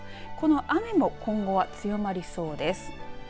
この雨も今後は強まりそうです。